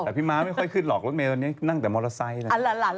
แต่พี่ม้าไม่ค่อยขึ้นหรอกรถเมลตอนนี้นั่งแต่มอเตอร์ไซค์เลย